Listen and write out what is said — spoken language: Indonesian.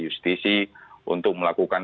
justisi untuk melakukan